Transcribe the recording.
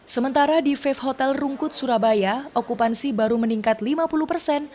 sementara di vape hotel rungkut surabaya okupansi baru meningkat lima puluh persen